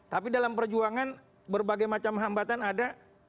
tapi dalam perjuangan berbagai macam hambatan ada